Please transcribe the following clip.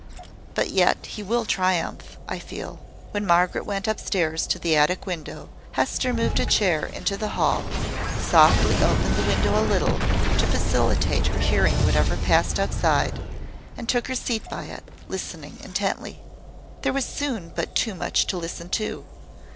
But yet he will triumph, I feel." When Margaret went up stairs to the attic window, Hester moved a chair into the hall, softly opened the window a little, to facilitate her hearing whatever passed outside, and took her seat by it, listening intently. There was soon but too much to listen to.